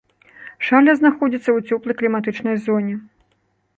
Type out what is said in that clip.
Шаля знаходзіцца ў цёплай кліматычнай зоне.